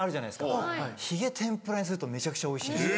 ヒゲ天ぷらにするとめちゃくちゃおいしいんですよ。